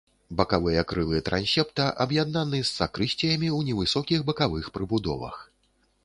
Бакавыя крылы трансепта аб'яднаны з сакрысціямі ў невысокіх бакавых прыбудовах.